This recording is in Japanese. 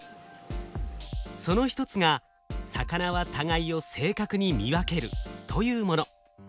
その一つが魚は互いを正確に見分けるというもの。